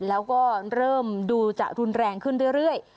แล้วก็เริ่มดูจะรุนแรงขึ้นเรื่อย